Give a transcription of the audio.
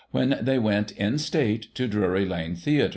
when they went, in State, to Drury Lane Theatre.